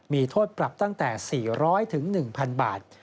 มีโทษปรับตั้งแต่๔๐๐๑๐๐บาท